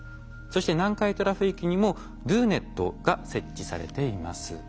そして南海トラフ域にもＤＯＮＥＴが設置されています。